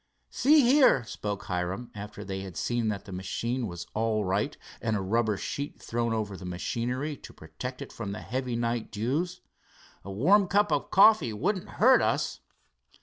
"See here," spoke Hiram, after they had seen that the machine was all right and a rubber sheet thrown over the machinery to protect it from the heavy night dews, "a warm cup coffee wouldn't hurt us."